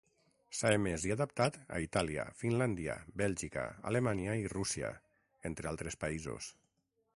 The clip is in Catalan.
S'ha emès i adaptat a Itàlia, Finlàndia, Bèlgica, Alemanya i Rússia, entre altres països.